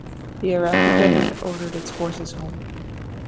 The Iraqi government ordered its forces home.